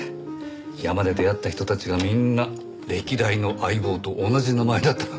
山で出会った人たちがみんな歴代の相棒と同じ名前だったなんて。